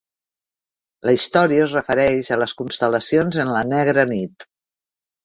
La història es refereix a les constel·lacions en la negra nit.